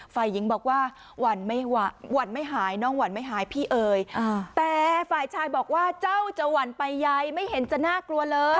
ฝ่ายหญิงบอกว่าวันไม่หายน้องหวันไม่หายพี่เอ๋ยแต่ฝ่ายชายบอกว่าเจ้าจะหวั่นไปใยไม่เห็นจะน่ากลัวเลย